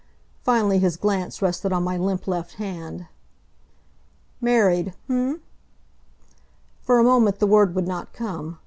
Finally his glance rested on my limp left hand. "Married, h'm?" For a moment the word would not come.